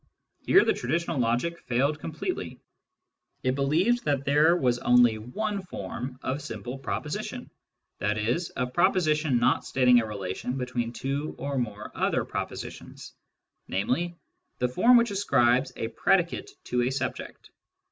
Here the traditional logic failed completely : it believed that there was only one form of simple proposition (i.e. of proposition not stating a relation between two or more other propositions), namely, the form which ascribes a predicate to a subject.